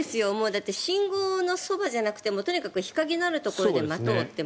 だって、信号のそばじゃなくてもとにかく日陰のあるところで待とうって。